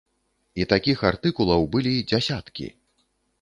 І такіх артыкулаў былі дзясяткі.